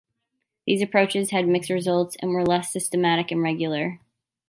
These approaches had mixed results and were less systematic and regular.